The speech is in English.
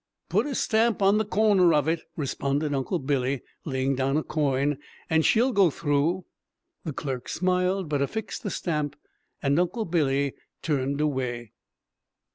"Put a stamp on the corner of it," responded Uncle Billy, laying down a coin, "and she'll go through." The clerk smiled, but affixed the stamp, and Uncle Billy turned away.